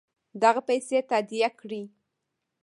دغه پیسې تادیه کړي.